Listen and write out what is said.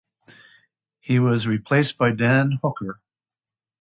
He was replaced by Dan Hooker.